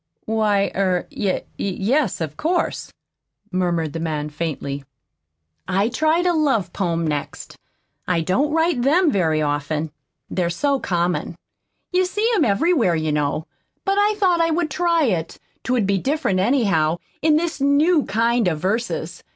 "Why, er y yes, of course," murmured the man faintly. "I tried a love poem next. I don't write them very often. They're so common. You see 'em everywhere, you know. But I thought I would try it 'twould be different, anyhow, in this new kind of verses.